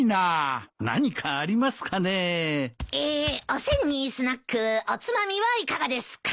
おせんにスナックおつまみはいかがですか？